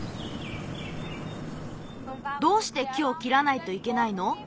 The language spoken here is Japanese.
どうして木をきらないといけないの？